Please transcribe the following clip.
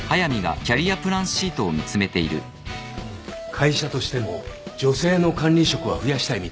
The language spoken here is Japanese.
会社としても女性の管理職は増やしたいみたいで